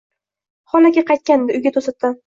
Xol aka qaytgandi uyga to’satdan